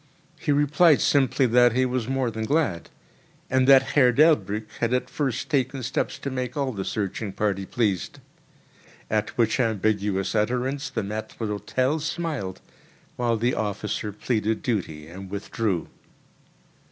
He replied simply that he was more than glad, and that Herr DelbrĂĽck had at the first taken steps to make all the searching party pleased; at which ambiguous utterance the maître d'hĂ´tel smiled, while the officer pleaded duty and withdrew.